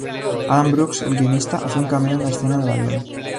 Adam Brooks, el guionista, hace un cameo en la escena del avión.